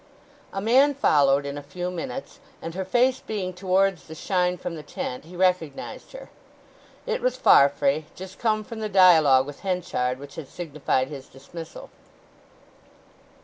A man followed in a few minutes, and her face being to wards the shine from the tent he recognized her. It was Farfrae—just come from the dialogue with Henchard which had signified his dismissal.